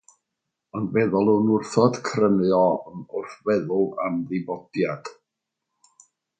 Ond fe ddylwn wrthod crynu o ofn wrth feddwl am ddifodiad.